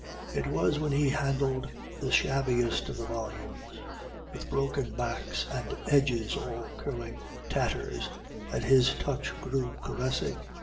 It was when he handled the shabbiest of the volumes, with broken backs and edges all curling tatters, that his touch grew caressing.